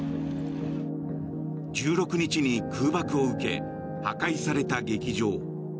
１６日に空爆を受け破壊された劇場。